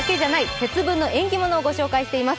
節分の縁起物」をご紹介しています。